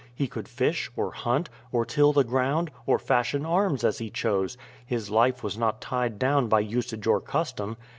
He could fish, or hunt, or till the ground, or fashion arms as he chose; his life was not tied down by usage or custom.